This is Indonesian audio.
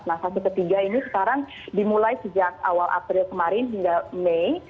nah fase ketiga ini sekarang dimulai sejak awal april kemarin hingga mei